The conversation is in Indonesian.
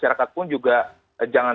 kyani ingin dikanal